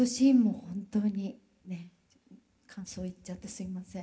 感想言っちゃってすいません。